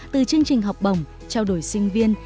từ chương trình học bổng trao đổi sinh viên